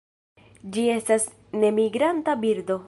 Ĝi estas nemigranta birdo.